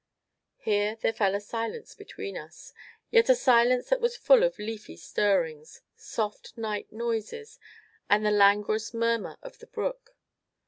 Here there fell a silence between us, yet a silence that was full of leafy stirrings, soft night noises, and the languorous murmur of the brook.